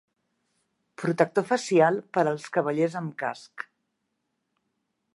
Protector facial per als cavallers amb casc.